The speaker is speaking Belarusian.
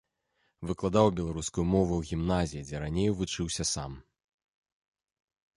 Выкладаў беларускую мову ў гімназіі, дзе раней вучыўся сам.